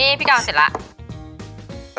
นี่พี่กาวเสร็จแล้ว